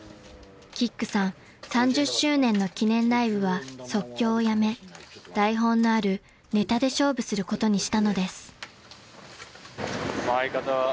［キックさん３０周年の記念ライブは即興をやめ台本のあるネタで勝負することにしたのです］